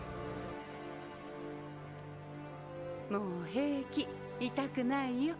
もう平気痛くないよ。